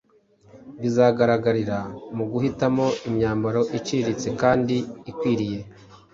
bizagaragarira mu guhitamo imyambaro iciriritse kandi ikwiriye.